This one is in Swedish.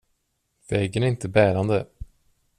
Väggen är inte bärande.